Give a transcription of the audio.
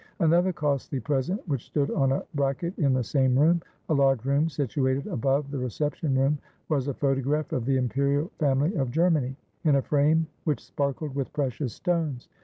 Another costly present which stood on a bracket in the same room, a large room situated above the reception room, was a photograph of the imperial family of Ger many, in a frame which sparkled with precious stones.